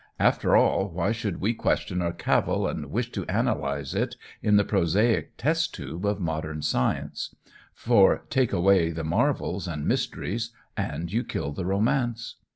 After all, why should we question or cavil, and wish to analyse it in the prosaic test tube of modern science; for take away the marvels and mysteries and you kill the romance.